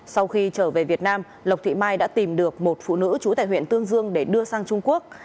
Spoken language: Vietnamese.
sau khi trở về việt nam lộc thị mai đã tìm được một phụ nữ trú tại huyện tương dương để đưa sang trung quốc